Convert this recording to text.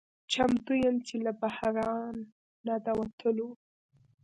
چمتو یم چې له بحران نه د وتلو